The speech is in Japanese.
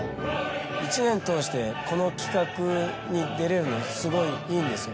１年通してこの企画に出れるのはすごいいいんですよ